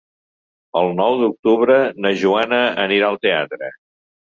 El nou d'octubre na Joana anirà al teatre.